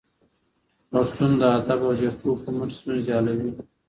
پښتون د ادب او جرګو په مټ ستونزې حلوي.